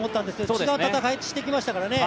違う戦い方、配置してきましたからね。